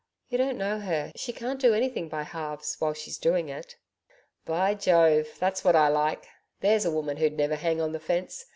'You don't know her. She can't do anything by halves while she's doing it.' 'By Jove, that's what I like. There's a woman who'd never hang on the fence.